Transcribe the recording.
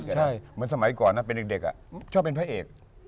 เหมือนสมัยก่อนนะเป็นเด็กชอบเป็นพระเอก